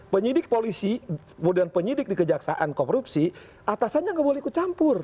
penyidik polisi kemudian penyidik di kejaksaan korupsi atasannya nggak boleh ikut campur